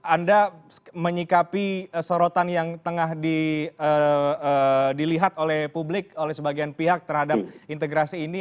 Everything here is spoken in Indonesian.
anda menyikapi sorotan yang tengah dilihat oleh publik oleh sebagian pihak terhadap integrasi ini